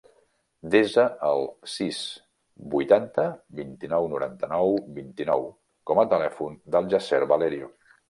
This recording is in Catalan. Desa el sis, vuitanta, vint-i-nou, noranta-nou, vint-i-nou com a telèfon del Yasser Valerio.